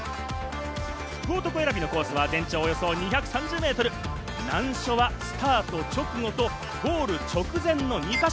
福男選びのコースは全長およそ２３０メートル、難所はスタート直後とゴール直前の２か所。